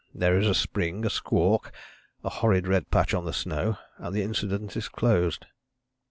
There is a spring, a squawk, a horrid red patch on the snow, and the incident is closed."